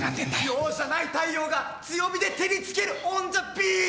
容赦ない太陽が強火で照り付けるオンザビーチ！